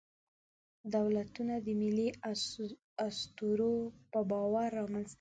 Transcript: دولتونه د ملي اسطورو په باور رامنځ ته کېږي.